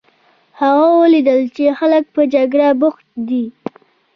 هغه ولیدل چې خلک په جګړه بوخت دي.